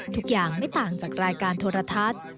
ทุกอย่างไม่ต่างจากรายการโทรทัศน์